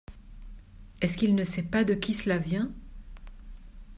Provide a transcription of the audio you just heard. Est-ce qu’il ne sait pas de qui cela vient?